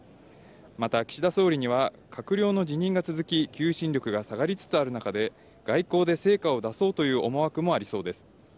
また、岸田総理には閣僚の辞任が続き、求心力が下がりつつある中で、外交で成果を出そうという思惑もありそうです。